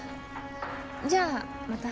じゃあまた。